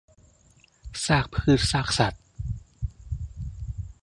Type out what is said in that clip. ซากพืชซากสัตว์